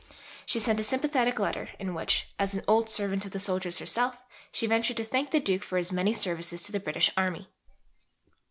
She sent a sympathetic letter in which, as an old servant of the soldiers herself, she ventured to thank the Duke for his many services to the British Army.